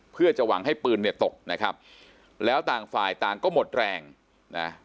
เพื่อจะหวังให้ปืนเนี่ยตกนะครับแล้วต่างฝ่ายต่างก็หมดแรงนะ